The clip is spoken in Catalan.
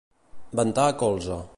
Ventar a colze.